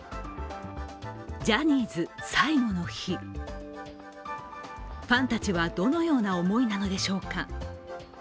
ジャニーズ最後の日、ファンたちはどのような思いなのでしょうか。